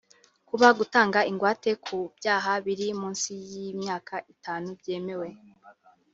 Kuba gutanga ingwate ku byaha biri munsi y’imyaka itanu byemewe